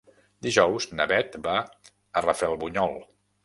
Dijous na Beth va a Rafelbunyol.